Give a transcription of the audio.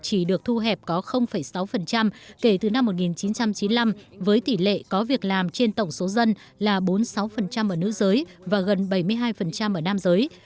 chỉ được thu hẹp có sáu kể từ năm một nghìn chín trăm chín mươi năm với tỷ lệ có việc làm trên tổng số dân là bốn mươi sáu ở nữ giới và gần bảy mươi hai ở nam giới